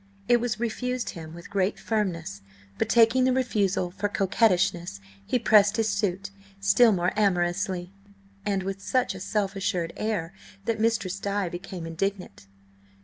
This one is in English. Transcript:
It was refused him with great firmness, but, taking the refusal for coquettishness, he pressed his suit still more amorously, and with such a self assured air that Mistress Di became indignant.